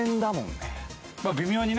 微妙にね。